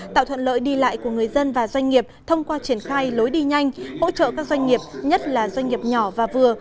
tạo thuận lợi đi lại của người dân và doanh nghiệp thông qua triển khai lối đi nhanh hỗ trợ các doanh nghiệp nhất là doanh nghiệp nhỏ và vừa